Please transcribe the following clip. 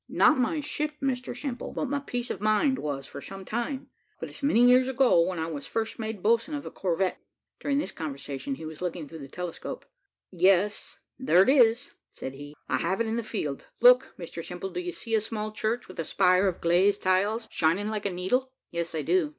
"Not my ship, Mr Simple, but my peace of mind was for some time; but it's many years ago, when I was first made boatswain of a corvette" (during this conversation he was looking through the telescope); "yes, there it is," said he; "I have it in the field. Look, Mr Simple, do you see a small church, with a spire of glazed tiles, shining like a needle?" "Yes, I do."